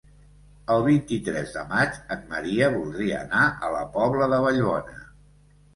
El vint-i-tres de maig en Maria voldria anar a la Pobla de Vallbona.